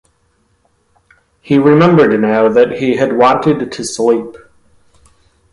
He remembered now that he had wanted to sleep.